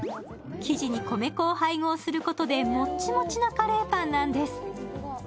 生地に米粉を配合することでもっちもちなカレーパンなんです。